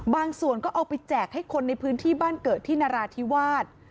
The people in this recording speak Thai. บางส่วนก็เอาไปแจกให้คนในพื้นที่บ้านเกิดที่นราธิวาส